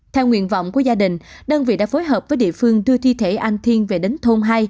theo nguyện vọng của gia đình đơn vị đã phối hợp với địa phương đưa thi thể anh thiên về đến thôn hai